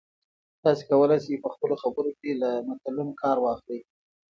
تاسي کولای شئ په خپلو خبرو کې له متلونو کار واخلئ.